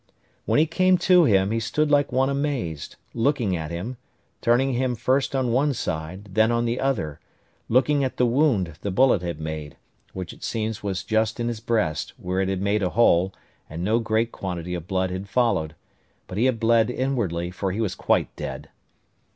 When he came to him, he stood like one amazed, looking at him, turning him first on one side, then on the other; looked at the wound the bullet had made, which it seems was just in his breast, where it had made a hole, and no great quantity of blood had followed; but he had bled inwardly, for he was quite dead.